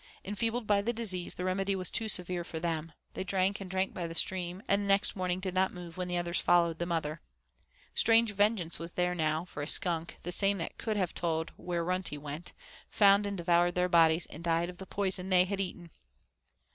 Enfeebled by the disease, the remedy was too severe for them. They drank and drank by the stream, and next morning did not move when the others followed the mother. Strange vengeance was theirs now, for a skunk, the same that could have told where Runtie went, found and devoured their bodies and died of the poison they had eaten.